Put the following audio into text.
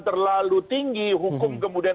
terlalu tinggi hukum kemudian